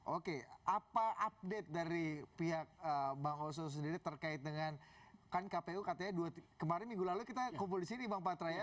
oke apa update dari pihak bang oso sendiri terkait dengan kan kpu katanya kemarin minggu lalu kita kumpul di sini bang patra ya